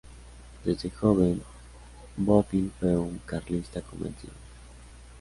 Desde joven, Bofill fue un carlista convencido.